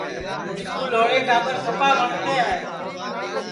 مِسکُو لھوڑے ٹاٻر سپا وٹؔتے ہے